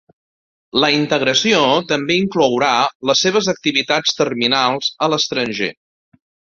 La integració també inclourà les seves activitats terminals a l'estranger.